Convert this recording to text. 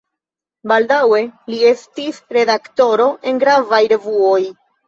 Baldaŭe li estis redaktoro en gravaj revuoj.